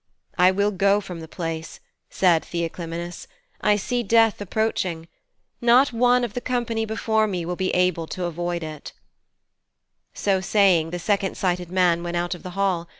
'I will go from the place,' said Theoclymenus. 'I see death approaching. Not one of all the company before me will be able to avoid it.' So saying, the second sighted man went out of the hall.